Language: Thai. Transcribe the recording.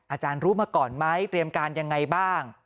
อาจารย์รู้มาก่อนไหมเตรียมการยังไงบ้าง